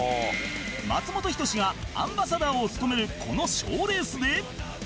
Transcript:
松本人志がアンバサダーを務めるこの賞レースで